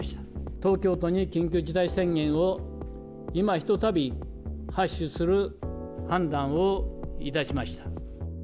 東京都に緊急事態宣言を、今ひとたび発出する判断をいたしました。